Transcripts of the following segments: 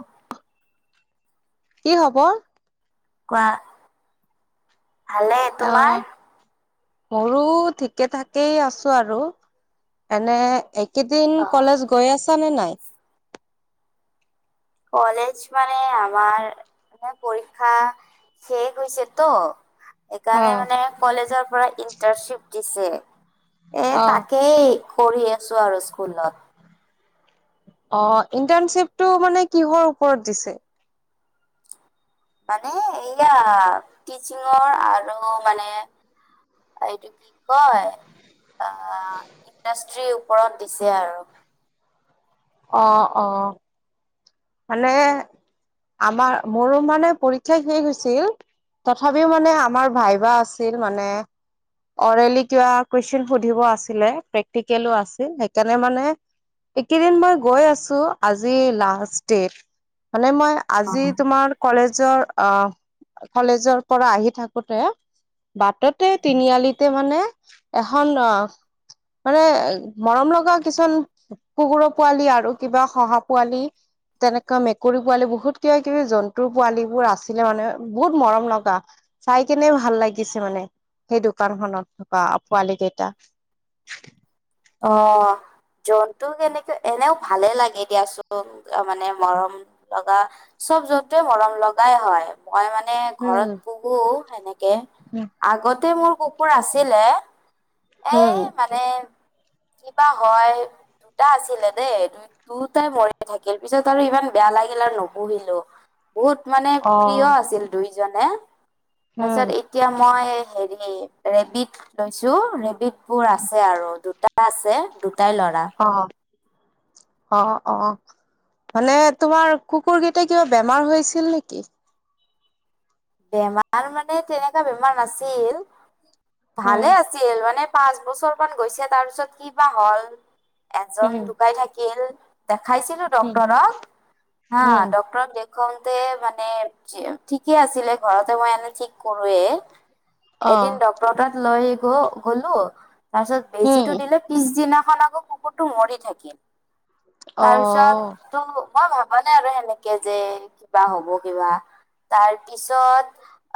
অ'। কি খবৰ। কোৱা ভালে তোমাৰ? অ', মোৰো ঠিকে ঠাকেই আছো আৰু এনে এই কেইদিন কলেজ গৈ আছা নে নাই। কলেজ মানে আমাৰ মানে পৰীক্ষা শেষ হৈছেতো সেইকাৰণে অ', মানে কলেজৰ পৰা ইণ্টাৰ্নশ্বিপ দিছে এ অ'। তাকেই কৰি আছো আৰু স্কুলত। অ' ইণ্টাৰ্ণশ্বিপটো মানে কিহৰ ওপৰত দিছে। মানে এইয়া ট্ৰিচিংৰ আৰু মানে এইটো কি কয় আহ ইণ্ডাষ্ট্ৰীৰ ওপৰত দিছে আৰু। অ', - অ'। মানে আমাৰ মোৰো মানে পৰীক্ষা শেষ হৈছিল। তথাপিও মানে আমাৰ ভাইভা আছিল মানে। অৰেলি কিবা কুৱেশ্যন সুধিব আছিলে, প্ৰেক্টিকেলো আছিল সেইকাৰণে মানে এই কেইদিন মই গৈ আছো আজি লাষ্ট। ডে, মানে মই আজি তোমাৰ কলেজৰ অ', কলেজৰ পৰা আহি থাকোতে বাটতে তিনিআলিতে মানে এখন মানে মৰম লগা কিছুমান কুকুৰ পোৱালি আৰু, কিবা শহা পোৱালি তেনেকুৱা মেকুৰী পোৱালী বহুত কিবা কিবি জন্তুৰ পোৱালিবোৰ আছিলে মানে বহুত মৰম লগা। চাই কেনে ভাল লাগিছে মানে, সেই দোকানখনত বাহ পোৱালি কেইটা। অহ। জন্তুক এনেকে এনেও ভালে লাগে দিয়াচোন, মানে মৰম লগা চব জন্তুৱে মৰম লগাই হয়। মই মানে ঘৰত উম পুহো সেনেকে, আগতে মোৰ কুকুৰ আছিলে, এই উম মানে কিবা হয় দুটা আছিলে দেই। দুয়োটাই মৰি থাকিল, পিছত আৰু ইমান বেয়া লাগিল আৰু নুপুহিলো। বহুত মানে অ প্ৰিয় আছিল দুইজনে, তাৰছত উম এতিয়া মানে মই হেৰি ৰেবিত লৈছো। ৰেবিতবোৰ আছে আৰু দুটা আছে দুটাই ল'ৰা। অ অ', অ'। মানে তোমাৰ কুকুৰকেইটা কিবা বেমাৰ হৈছিল নিকি? বেমাৰ মানে তেনেকুৱা বেমাৰ নাছিল, ভালে উম আছিল মানে পাঁচ বছৰমানান গৈছে তাৰ পিছত কি বা হ'ল এজন উম ঢুকাই থাকিল। দেখাইছিলো উম ডক্টৰক। হা, উম ডক্টৰক দে খংটে মানে ঠিক ঠিকে আছিলে ঘৰতে মই এনে ঠিক কৰোৱে, এদিন অ', ডক্তৰ তাত লৈ গ- গলো তাৰ পিছত হুম, বেজীটো দিলে, পিছদিনাখন আকৌ কুকুৰটো মৰি থাকিল। অ', তাৰপিছতটো মই ভাবা নাই আৰু সেনেকে যে কিবা হ'ব কিবা, তাৰ পিছত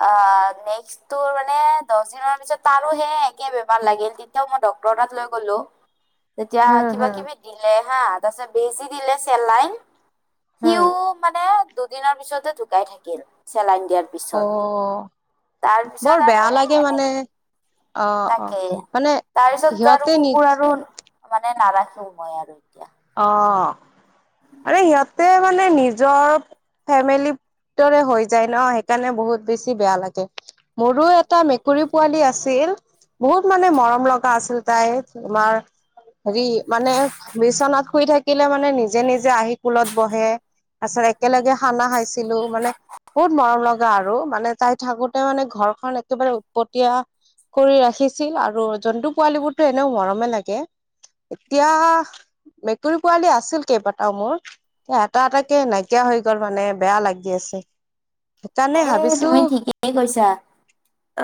অ', নেষ্কটোৰ মানে দহদিনৰ পিছত তাৰো হে একে বেমাৰ লাগিল, তেতিয়াও মই ডক তৰ তাত লৈ গ'লো। এতিয়া হুম, হুম, কিবা-কিবি দিলে হা তাৰপিছত বেজী দিলে চেলাইন। হুম, সিও মানে দুদিনৰ পিছতে ঢুকাই থাকিল, চেলাইন দিয়াৰ পি পিছত, অ', বৰ তাৰপিছত বেয়া আৰু লাগে এ মানে এনেকে অ', অ', তাকেই, মানে তাৰপিছত আৰু সিহঁতে নিজ কুকুৰ আৰু মানে নাৰাখও মই আৰু এতিয়া। অ', হিঁহতে মানে নিজৰ ফেমিলিৰ দৰে হৈ যায় ন সেইকাৰণে বহুত বেছি বেয়া লাগে। মোৰো এটা মেকুৰী পোৱালী আছি ছিল বহুত মানে মৰম লগা আছিল তাই, তোমাৰ হেৰি মানে বিচনাত শুই থাকিলে মানে নিজে নিজে আহি কুলত বহে, তাৰ পিছত একেলগে খানা খাইছ ছিলো মানে বহুত মৰম লগ গা আৰু মানে তাই থাকোতে মানে ঘৰখন একেবাৰে উৎপতিয়া কৰি ৰাখিছিল আৰু জন্তু পুৱালিবোৰটো এনেও মৰমে লাগে। এতিয়া মেকুৰী পোৱালী আছিল কেইবাটাও মোৰ, এটা এটাকে নাইকিয়া হৈ গল মানে বেয়া লাগি আছে। সেইকাৰণে এ- ভাবিছো তুমি ঠিকেই কৈছা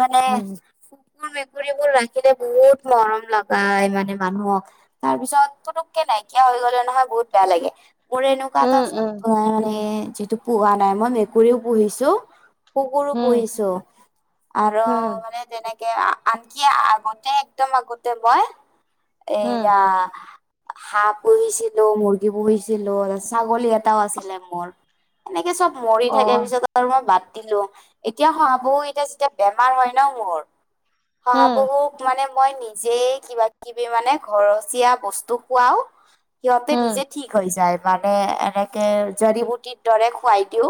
মানে উম কুকুৰ- মেকুৰীৰ কুকুৰ ৰাখিলে বহুত মৰম লগাই মানে মানুহক, তাৰ পিছত পুতুককে নাইকিয়া হৈ গ'লে নহয় বহত বেয়া লাগে। মোৰ এনেকুৱা এটা উম উম জন্তু নাই মানে যিটো পোহা নাই। মই মেকুৰীও পুহিছো। কুকুৰো হম পুহিছো আৰু হম মানে তেনেকে আনকি আগতে একদম আগতে মই হম এইয়া হাঁহ পুহিছিলো। মুৰ্গী পুহিছিলো। তাছত ছাগলী এটাও আছিলে মোৰ। এনেকে চব মৰি অ থাকে পিছত মই বাদ দিলো এতিয়া শহাপহুকেইটা যেতিয়া বেমাৰ হয় ন মোৰ হম শহাপহু মানে মই নিজে কিবা-কিবি মানে ঘৰচীয়া বস্তু খুৱাও। সিহঁতে হম নিজে ঠিক হৈ যায় মানে এনেকে জৰি বুটিৰ দৰে খুৱাই দিও।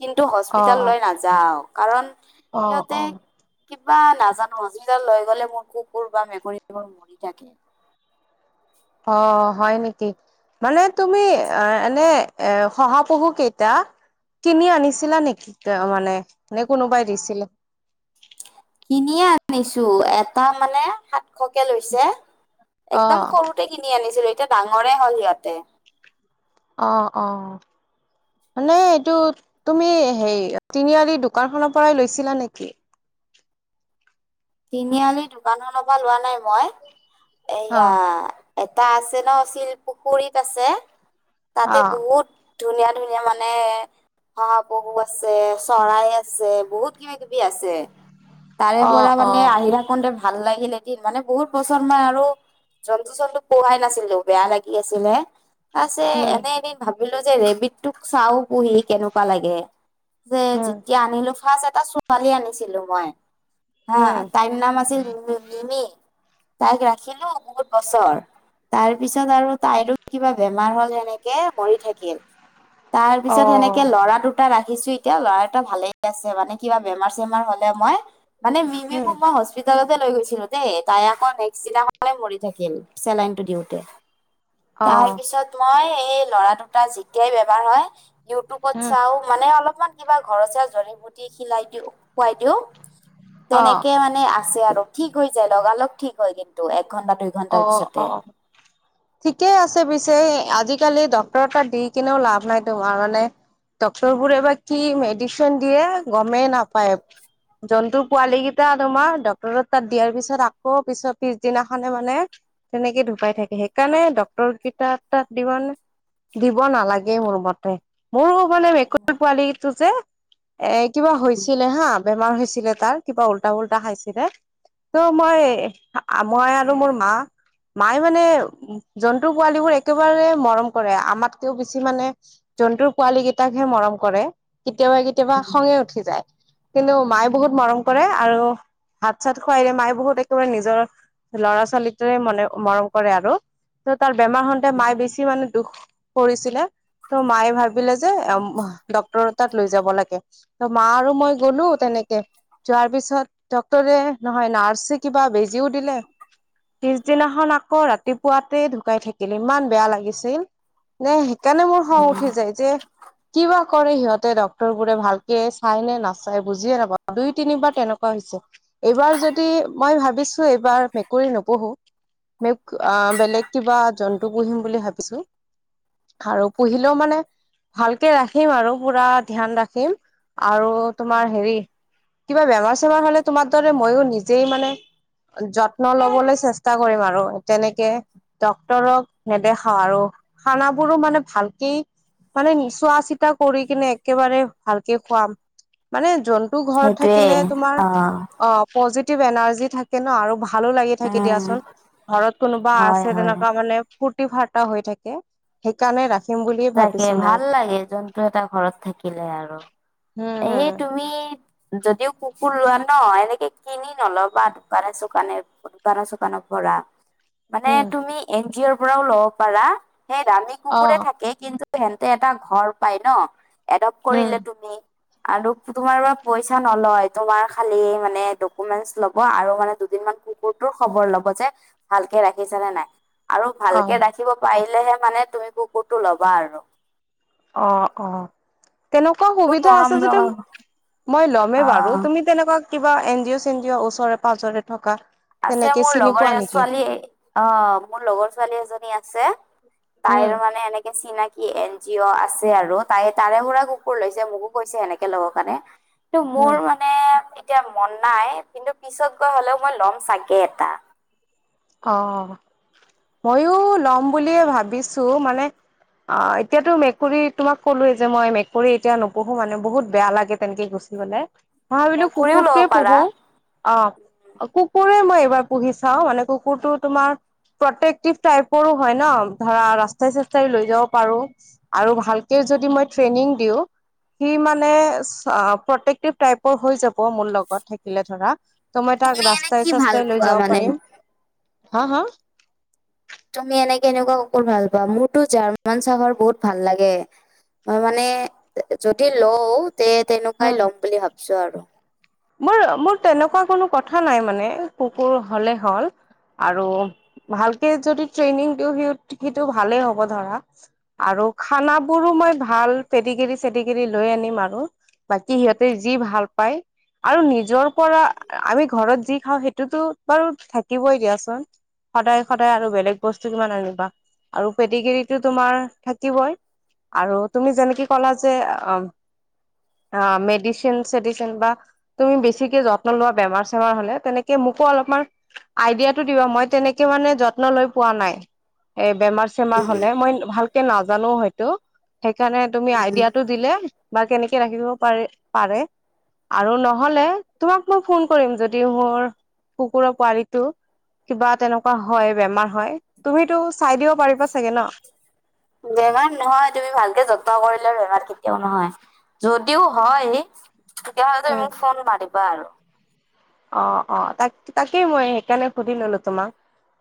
কিন্তু অ হস্পিতাল লৈ নাযাওঁ কাৰণ অ সিহঁতে অ কিবা নাজানো হস্পিটাল লৈ গ'লে মোৰ কুকুৰ বা মেকুৰীবোৰ মৰি থাকে। [inaudible] অ' হয় নেকি? মানে তুমি আহ এনে এ শহাপহু কেইটা কিনি আনিছিলা নেকি মানে নে কোনোবাই দিছিলে। কিনিয়ে আনিছো এটা মানে সাতশকে লৈছে, অ একদম সৰুতে কিনি আনিছিলো। এতিয়া ডাঙৰে হ'ল সিহঁতে অ', -অ'। মানে এইটো তুমি হেই তিনিআলি দোকানখনৰ পৰাই লৈছিলা নেকি? তিনিআলি দোকানখনৰ পৰা লোৱা নাই মই অ এয়া এটা আছে ন শিলপুখুৰীত আছে, তাতে অ বহুত ধুনীয়া ধুনীয়া মানে শহাপহু আছে, চৰাই আছে, বহুত কিব- কিবি আছে। তাৰে অ', পৰা মানে অ', আহি থাকোতে ভাল লাগিল এদিন মানে বহুত পচন্দ মই আৰু জন্তু-চন্তু পোহাই নাছিলো, বেয়া লাগি আছিল হে। আছে উম, এনে এদিন ভাবিলো যে ৰেবিতটোক চাও। পুহি কেনেকুৱা লাগে যে, উম, যেতিয়া আনিলো ফাৰ্ষ্ট এটা ছোৱালী আনিছিলো মই হা, উম, তাইৰ নাম আছিল মিমি। তাইক ৰাখিলো বহুত বছৰ। তাৰ পিছত আৰু তাইতো কিবা বেমাৰ হ'ল সেনেকে মৰি থাকিল। তাৰ পিছত সেনেকে অ', লৰা দুটা ৰাখিছো। এতিয়া ল'ৰা এটা ভালে আছে মানে কিবা বেমাৰ- চেমাৰ হ'লে মই মানে মিমিক উম, মই হস্পিটেল লতে লৈ গৈছিলো দেই, তাই আকৌ নেক্সট দিনাখনেই মৰি থাকিল চেলাইনটো দিওঁতে তাৰ অ', পিছত মই এই ল'ৰা দুটা যেতিয়াই বেমাৰ হয়। ইউটিউবত উম, চাও মানে অলপমান কিবা ঘৰচীয়া জৰি বুটি খিলাই দিও, খুৱাই দিও। অ', তেনেকে মানে আছে আৰু ঠিক হৈ যায়, লগালগ ঠিক হয় কিন্তু ঘন্টা দুই ঘন্টাৰ অ', পিছতে - অ' ঠিকেই আছে পিছে আজিকালি ডক্তৰ তাত দি কিনেও লাভ নাই তোমাৰ মানে ডক্টৰ বোৰে এ বা কি মেডিচিন দিয়ে গমেই নাপায়। জন্তু পোৱালি কেইটা তোমাৰ ডক্টৰৰত তাত দিয়াৰ পিছত আকৌ পিছত পিছদিনাখন মানে তেনেকে ধুকাই থাকে, সেইকাৰণে ডক্তৰ কেইটা তাত দি মানে দিব নালাগে মোৰ মতে, মোৰো মানে মেকুৰী পোৱালীটো যে এ কিবা উম, হৈছিলে হা বেমাৰ হৈ ছিলে তাৰ কিবা উল্টা-পুল্টা খাইছিলে, তো মৈ আমৰ ইটো মোৰ মা। মায়ে মানে জন্তু পোৱালীবোৰ একেবাৰে মৰম কৰে, আমাতকেও বেছি মানে জন্তুৰ পোৱালী কেইটাকহে মৰম কৰে, কেতিয়াবা- কেতিয়াবা খঙে উঠি যায়। কিন্তু মায়ে বহুত মৰম কৰে আৰু হাত চাত খুৱাই দিয়ে মায়ে বহুত একেবাৰে নিজৰ ল'ৰা-ছোৱালীৰ দৰে মানে মৰম কৰে আৰু তাৰ বেমাৰ হওঁতে মায়ে বেছি মানে দুখ কৰিছিলে। ত' মায়ে ভাবিলে যে ডক্তৰ তাত লৈ যাব লাগে, ত' মা আৰু মই গ'লো তেনে তেনেকে যোৱাৰ পিছত ডক্টৰে নহয় নাৰ্ছে কিবা বেজিও দিলে। পিছদিনাখন আকৌ ৰাতিপুৱাতে ঢুকাই থাকিল, ইমান বেয়া লাগিছিল। নে সেইকাৰণে মোৰ খং উঠি যায় যে কিবা কৰে সিহঁতে ডক্তৰ বোৰে ভালকে চাই নে নাচাই বুজিয়ে নাপাও। দুই, তিনিবাৰ তেনেকুৱা হৈছে। এইবাৰ যদি মই ভাবিছো এইবাৰ কৰি নপঢ়ো মোক আহ বেলেগ কিবা জন্তু পুহিম বুলি ভাবিছো। আৰু পুহিলেও মানে ভালকে ৰাখিম আৰু পুৰা ধ্যান ৰাখিম আৰু তোমাৰ হেৰি কিবা বেমাৰ-চেমাৰ হলে তোমাৰ দৰে মইও নিজেই মানে যত ন ল'বলৈ চেষ্টা কৰিম আৰু তেনেকে। ডক্তৰক নেদেখাও আৰু খানাবোৰো মানে ভালকেই মানে চোৱা-চিতা কৰি কেনে একেবাৰে ভালকে খুৱাম। মানে জন্তু ঘৰত সেইটোৱে থাকিলে তোমাৰ, অ অ' পজিটিভ এনাৰ্জী থাকে ন। আৰু ভাল ভালো লাগি থাকে উম দিয়াচোন ঘৰত কোনোবা হয় আছে হয় তেনেকুৱা মানে ফ ফাৰ্তা হৈ থাকে সেইকাৰণে ৰাখ তাকে ভাল লাগে। জন্তু এটা ঘৰত থাকিলে আৰু। হম এ হম তুমি যদিও কুকুৰ লোৱা ন এনেকে কিনি নলবা দোকানে- চোকানে দোকানৰ- চোকানৰ পৰা মানে হম তুমি এন জি অৰ পৰাও ল'ব পাৰা। সেই দামী অ কুকুৰে থাকে কিন্তু সেনতে এটা ঘৰ পাই ন এডাপ্ট উম কৰিলে তুমি আৰু তোমাৰ পৰা পইচা নলয়। তোমাৰ খালি মানে ডকুমেন্টচ লব আৰু মানে তোমাৰ কুকুৰটোৰ খবৰ ল'ব যে ভালকে ৰাখিছে নে নাই। আৰু অ ভালকে ৰাখিব পাৰিলেহে মানে তুমি কুকুৰটো ল'বা আৰু অ'হ- অহ। তেনেকুৱা বহুত সুবিধা মৰম আছে যদি লগা মই লমে অ বাৰু তুমি তেনেকুৱা কিবা এন জিও' চেন জিওঅ' ওচৰে -পাঁজৰে থকা আছে। তেনেকে মোৰ চিনি লগৰ পোৱা নেকি? ছোৱালী -অ মোৰ লগৰ ছোৱালী এজনী আছে। তাইৰ উম, মানে এনেকে চিনাকি কি এন জিঅ' আছে আৰু তাই তাৰে পৰা কুকুৰ লৈছে। মোকো কৈছে সেনেকে ল'বৰ কাৰণে টো মোৰ উম। মানে এতিয়া মন নাই। কিন্তু পিছত গৈ হলেও মই ল'ম। চাগে এটা। অ' ময়ো লম বুলিয়ে ভাবিছো, মানে অ এতিয়াতো মেকুৰী তোমাক কলোৱে যে মই মেকুৰী এতিয়া নোপোহো। মানে বহুত বেয়া লাগে তেনেকে গুছি গ'লে ভাবিলো মেকুৰীও ল'ব কুকুৰটোৱে পাৰা পুহো। অ কুকুৰে মই এইবাৰ পুহি চাও মানে কুক কুকুৰটো তোমাৰ প্ৰটেকটিভ টাইপৰো হয় ন ধৰা ৰাস্তাই-চাস্তাই লৈ যাব পাৰো আৰু ভালকে যদি মই ট্ৰেইনিঙ দিও, সি মানে প্ৰটেক্টিভ টাইপৰ হৈ যাব, মোৰ লগত থাকিলে ধৰা। ত'মই তাক তুমি এনে কি ভাল ৰাস্তাই-চাস্তাই লৈ পোৱা যাব মানে পাৰিম। হা-হা- তুমি এনে কেনেকুৱা কুকুৰ ভাল পোৱা? মোৰতো জাৰ্মান চাফাৰ বহুত ভাল লাগে। মই মানে যদি লও তে-তেনেকুৱাই উম লম বুলি ভাবছো আৰু। মোৰ- মোৰ তেনেকুৱা কোনো কথা নাই মানে কুকুৰ হলে হ'ল আৰু ভালকে যদি ট্ৰেইনিং দিওঁ সি সিটো ভালেই হ'ব ধৰা আৰু খানাবোৰো মই ভাল পেদি কেৰি -চেদি কেৰি লৈ আনিম, আৰু বাকী সিহঁতে যি ভাল পায় আৰু নিজৰ পৰা আমি ঘৰত যি খাওঁ সেইটোতো বাৰু থাকিবই দিয়াচোন। সদায়' সদায় আৰু বেলেগ বস্তু কিমান আনিবা আৰু পেদিকেৰিতো তোমাৰ থাকিবই। আৰু তুমি যেনেকে কলা যে মেডিচিন-চেডিচিন বা তুমি বেছিকে যত্ন লোৱা বেমাৰ-চেমাৰ হলে তেনেকে মোকো অলপমান আইডিয়াটো দিবা মই তেনেকে মানে যত্ন লৈ পোৱা নাই। এ বেমাৰ-চেমাৰ হলে মই ভালকে নাজানো হয়তো সেইকাৰণে তুমি আইডিয়াটো দিলে, বা কেনেকে ৰাখিব পাৰি পাৰে, আৰু নহলে তোমাক মই ফোন কৰিম যদি মোৰ কুকুৰৰ পোৱালিটো কিবা তেনেকুৱা হয়, বেমাৰ হয় তুমিতো চাই দিব পাৰিবা চাগে ন? বেমাৰ নহয়, তুমি ভালকে যত ত্ন কৰিলে বেমাৰ কেতিয়াও নহয়। যদিও হয় তেতিয়া হলে তুমি উম মোক ফোন মাৰিবা আৰু অ' অ' তাক তাকেই মই সেইকাৰণে সুধি ললো তোমাক,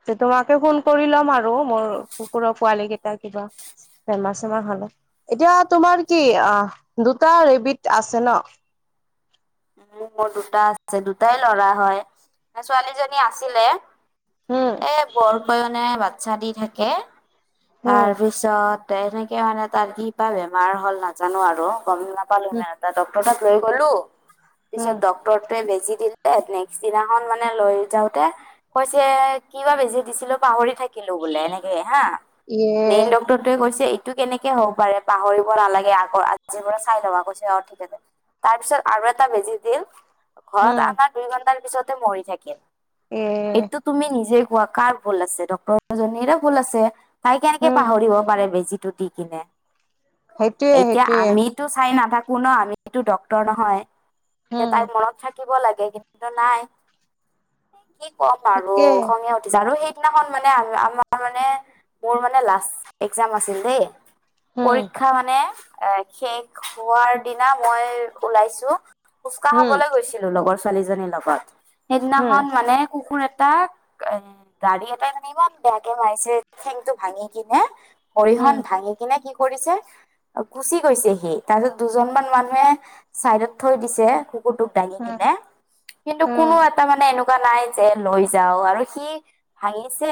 যে তোমাকে ফোন কৰি ল'ম আৰু। আৰু মোৰ কুকুৰৰ পোৱালি কেইটা কিবা বেমাৰ- চেমাৰ হ'লে এতিয়া তোমাৰ কি? অ' দুটা ৰেবিত আছে ন'। [inaudible] উ মোৰ দুটা আছে দুটাই ল'ৰা হয়, ছোৱালীজনী আছিলে। উম এ বৰ কৈ বাচ্ছা দি থাকে উম তাৰ পিছত সেনেকে মানে তাৰ কি পা বেমাৰ হ'ল নাজানো আৰু গম নাপালো উম নে তাতে ডক্টৰে লৈ গলো পিছত উম ডক্টৰ তোই বেজী দিলে নেক্সট দিনাখন মানে লৈ যাওতে কৈছে কিবা বেজি দিছিলো পাহৰি থাকিলো। কিলো বোলে এনেকে হা ইয়ে মেইন ডক্তৰটোৱে কৈছে এইটো কেনেকে হ'ব পাৰে, পাহৰিব নালাগে, আগৰ আজিৰ পৰা চাই ল'বা কৈছে অ' ঠিক আছে। তাৰপিছত আৰু এটা বেজি দিলে। ঘৰত উম আমাৰ দুই ঘন্টাৰ পিছতে মৰি থাকিল এ এইটো তুমি নিজে ক কাৰ ভুল আছে, ডক্তৰ জনীৰে ভুল আছে তাই কেনেকে উম পাহৰিব পাৰে বেজিটো দি কি সেইটোৱে এতিয়া সেইটোৱে আমিতো চাই নাথাকো। কোনো আমিতো ড্ক্তৰ নহয়, এতিয়া উম তাই মনত থাকি থাকিব লাগে কিন্তু নাই কি ক'ম আৰু তাকে খঙে উঠিছে আৰু সেই সিনাখন মানে আমাৰ মানে, মোৰ মানে লাষ্ট একজাম আছিল দেই। উম পৰীক্ষা মানে এ শেষ হোৱাৰ দিনা মই ওলাইছো। উুচকা উম খাবলৈ গৈছিলো, লগৰ ছোৱালীজনীৰ লগত সেইদিনাখন উম মানে কুকুৰ এ তাক এ গাড়ী এটাই মানে ইমান বেয়াকে মাৰিছে ঠেংটো ভাঙি কিনে ভৰিখন উম ভাঙি কিনে কি কৰিছে গুচি গৈছে সি, তাৰপিছত দুজনমান মানুহে চাইডত থৈ দিছে। কুকুৰটো দাঙি উম কিনে কিন্তু উম কোনো এটা মানে এনেকুৱা এনেকুৱা নাই যে লৈ যাও আৰু সি ভাঙিছে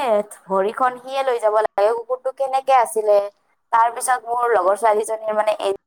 ভৰি খ সিয়ে লৈ যাব লাগে কুকুৰটো কেনেকে আছিলে, তাৰ পিছত মোৰ লগৰ ছোৱালীজনীৰ মানে এ